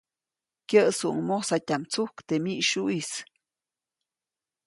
Kyäʼsuʼuŋ mojsatyaʼm tsujk teʼ miʼsyuʼis.